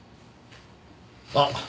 あっ！